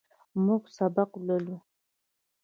موږ سبق لولو.